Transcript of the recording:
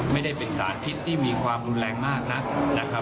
ไม่ได้เป็นสารพิษที่มีความรุนแรงมากนักนะครับ